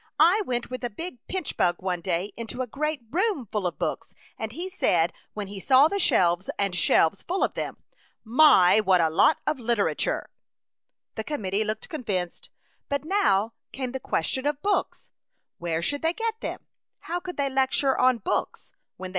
I went with a big pinch bug one day into a great room full of books, and he said, when he saw the shelves and shelves full of them, * My ! what a lot of liter ature !'" The committee looked convinced, but now came the question of books. 58 A Chautauqua Idyl. Where should they get them ? How could they lecture on books, when they